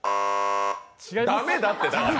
駄目だって、だから。